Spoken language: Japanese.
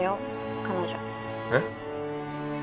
彼女えッ？